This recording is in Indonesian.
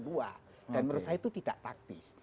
dan menurut saya itu tidak taktis